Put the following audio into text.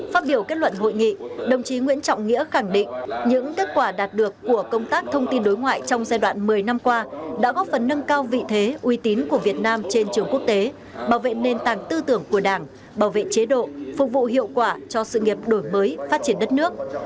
phát biểu kết luận hội nghị đồng chí nguyễn trọng nghĩa khẳng định những kết quả đạt được của công tác thông tin đối ngoại trong giai đoạn một mươi năm qua đã góp phần nâng cao vị thế uy tín của việt nam trên trường quốc tế bảo vệ nền tảng tư tưởng của đảng bảo vệ chế độ phục vụ hiệu quả cho sự nghiệp đổi mới phát triển đất nước